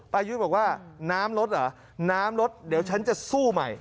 ป้ายุ้ยยังบอกว่าน้ำรสเหรอน้ำรสเดี๋ยวฉันจะสู้ใหม่